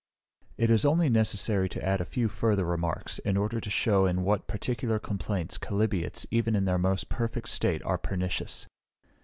It is only necessary to add a few further remarks, in order to shew in what particular complaints chalybeates, even in their most perfect state, are pernicious.